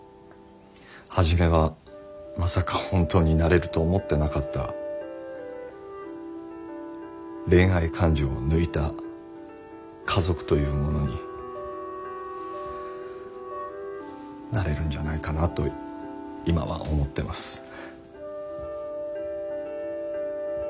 初めはまさか本当になれると思ってなかった恋愛感情を抜いた家族というものになれるんじゃないかなと今は思ってます。